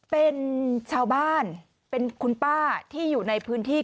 เป็นชาวบ้านเป็นคุณป้าที่อยู่ในพื้นที่